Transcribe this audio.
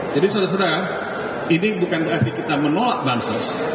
saudara saudara ini bukan berarti kita menolak bansos